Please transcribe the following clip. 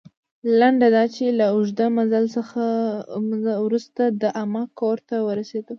لنډه دا چې، له اوږده مزل وروسته د عمه کور ته ورسېدو.